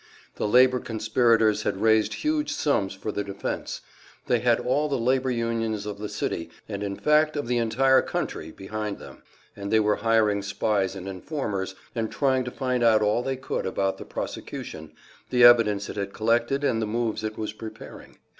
The labor conspirators had raised huge sums for their defense; they had all the labor unions of the city, and in fact of the entire country behind them, and they were hiring spies and informers, and trying to find out all they could about the prosecution, the evidence it had collected and the moves it was preparing.